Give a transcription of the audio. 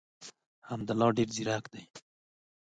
حمدالله ډېر زیرک دی.